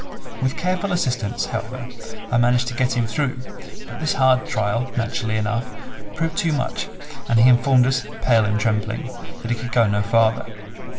With careful assistance, however, I managed to get him through, but this hard trial, naturally enough, proved too much and he informed us, pale and trembling, that he could go no farther.